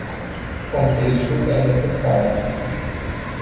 Contexto é necessário.